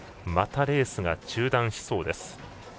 またレースが中断しそうです。